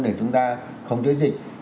để chúng ta không chữa dịch